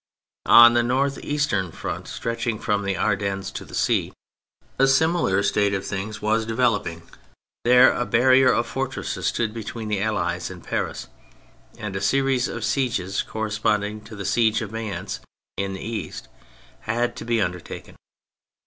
On the north eastern front, stretching from the Ardennes to the sea, a similar state of things was developing. There, a barrier of fortresses stood between the Allies and Paris, and a series of sieges corresponding to the siege of Mayence in the east had to be under taken.